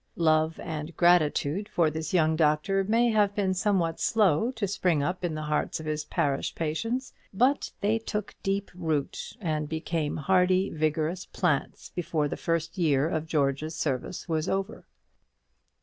Love and gratitude for this young doctor may have been somewhat slow to spring up in the hearts of his parish patients; but they took a deep root, and became hardy, vigorous plants before the first year of George's service was over.